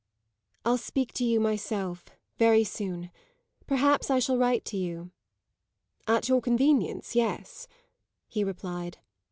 "I'll speak to you myself very soon. Perhaps I shall write to you." "At your convenience, yes," he replied.